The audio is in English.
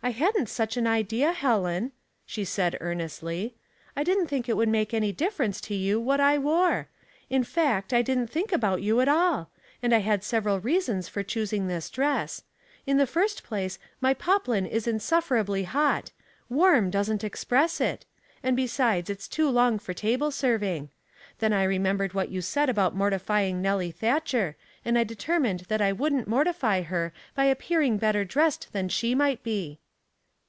" I hadn't such an idea, Helen," she said, ear nestly. "I di(hi't think it would make any difference to you what I wore. In fact I didn't think about you at all ; and I had several reasons for choosing this dress. In the first place my poplin is insufferably hot — warm doesn't express it — and, besides, it's too long for table serving. Then I remembered what you said about morti The Force of Argument, 229 fying Nettie Thatcher, and I determined that I wouldn't mortify her by appearing better dressed than she might be."